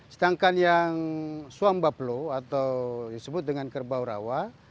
sedangkan yang suam baplo atau disebut dengan kerbau rawa